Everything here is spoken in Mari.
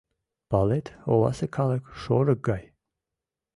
Палет, оласе калык шорык гай.